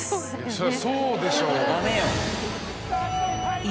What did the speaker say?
そりゃそうでしょう。